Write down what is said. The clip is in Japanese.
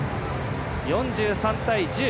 ４３対１０。